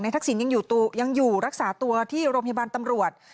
ทักษิณยังอยู่รักษาตัวที่โรงพยาบาลตำรวจ